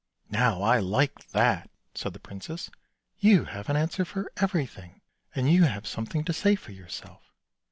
" Now I like that," said the princess; " you have an answer for everything, and you have something to say for yourself.